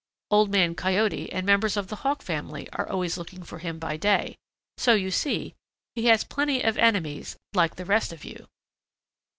Old Man Coyote and members of the Hawk family are always looking for him by day, so you see he has plenty of enemies, like the rest of you.